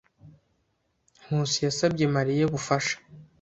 Nkusi yasabye Mariya ubufasha.